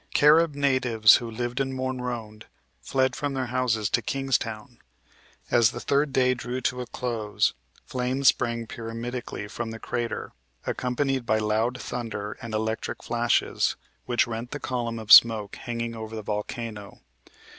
Carib natives who lived at Morne Rond fled from their houses to Kingstown. As the third day drew to a close flames sprang pyramidically from the crater, accompanied by loud thunder and electric flashes, which rent the column of smoke hanging over the volcano.